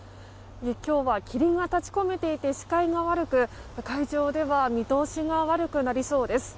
今日は霧が立ち込めていて視界が悪く海上では見通しが悪くなりそうです。